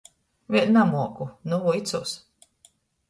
Vēļ namuoku, nu vuicūs.